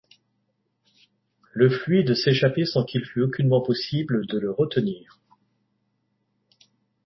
Le fluide s’échappait sans qu’il fût aucunement possible de le retenir